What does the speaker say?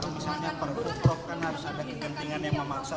prof kalau misalnya perpu kan harus ada kegentingan yang memaksa